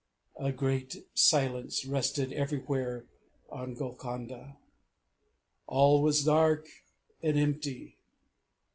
A great silence rested everywhere on Golconda; all was dark and empty.